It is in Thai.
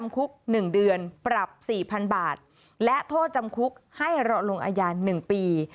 ก็จำคุกให้รอลงอาญาหนึ่งปี